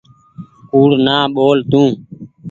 ڪوڙ نآ ٻول تو۔